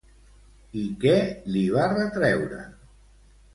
I què li va retreure?